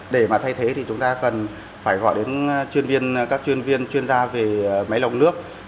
để mà thay thế thì chúng ta cần phải gọi đến chuyên viên các chuyên viên chuyên gia về máy lọc nước